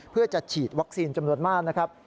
เพื่อจะฉีดวัคซีนจำนวนมากนะครับ